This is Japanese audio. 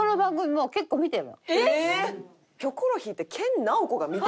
えっ！？